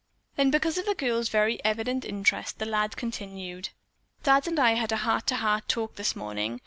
Then, because of the girl's very evident interest, the lad continued: "Dad and I had a heart to heart talk this morning.